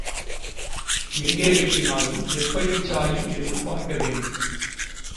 எங்கே வெட்டினாலும் எப்படிச் சாயும் என்று பார்க்க வேணும்.